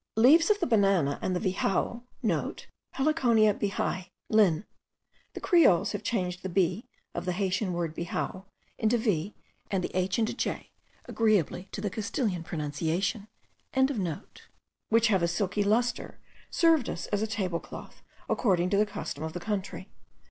Leaves of the banana and the vijao,* (* Heliconia bihai, Linn. The Creoles have changed the b of the Haitian word bihao into v, and the h into j, agreeably to the Castilian pronunciation.) which have a silky lustre, served us as a table cloth, according to the custom of the country.